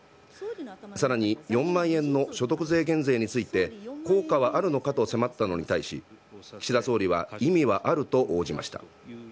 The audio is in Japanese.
さらに４万円の所得税減税について、効果はあるのかと迫ったのに対し、岸田総理は意味はあると応じました。